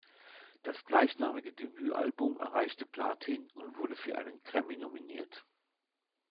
Das gleichnamige Debütalbum erreichte Platin und wurde für einen Grammy nominiert.